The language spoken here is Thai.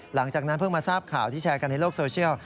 หลังจากนั้นเพิ่งมาทราบข่าวที่แชร์กันในโลกโซเชียล